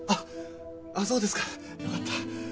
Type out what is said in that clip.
そうですかよかった。